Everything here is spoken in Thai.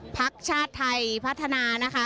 พักชาติไทยพัฒนานะคะ